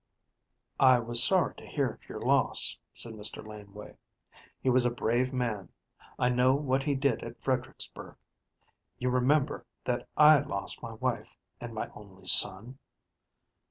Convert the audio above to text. "I was sorry to hear of your loss," said Mr. Laneway. "He was a brave man. I know what he did at Fredericksburg. You remember that I lost my wife and my only son?"